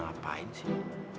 nah mana ngapain sih